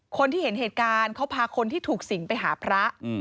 คนที่เห็นเหตุการณ์เขาพาคนที่ถูกสิงไปหาพระ